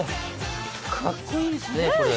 かっこいいですね、これ。